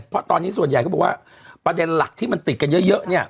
เพราะตอนนี้ส่วนใหญ่เขาบอกว่าประเด็นหลักที่มันติดกันเยอะเนี่ย